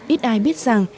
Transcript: ít ai biết rằng